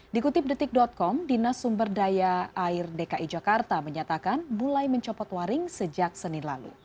dikutip detik com dinas sumber daya air dki jakarta menyatakan mulai mencopot waring sejak senin lalu